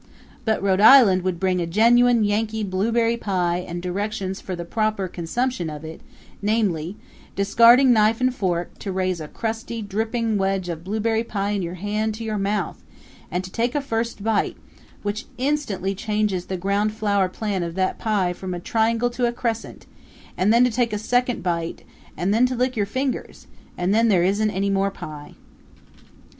But Rhode Island would bring a genuine Yankee blueberry pie and directions for the proper consumption of it, namely discarding knife and fork, to raise a crusty, dripping wedge of blueberry pie in your hand to your mouth, and to take a first bite, which instantly changes the ground floor plan of that pie from a triangle to a crescent; and then to take a second bite, and then to lick your fingers and then there isn't any more pie.